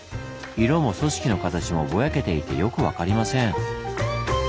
色も組織の形もぼやけていてよく分かりません。